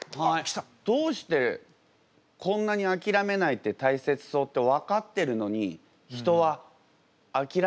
どうしてこんなにあきらめないって大切そうって分かってるのに人はあきらめてしまうんですかね？